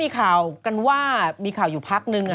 มีข่าวกันว่ามีข่าวอยู่พักนึง